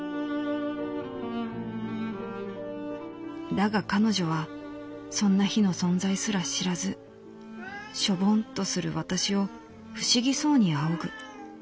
「だが彼女はそんな日の存在すら知らずしょぼんとする私を不思議そうに仰ぐ。